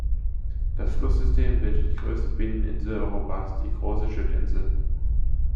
Das Flusssystem bildet die größte Binneninsel Europas, die Große Schüttinsel.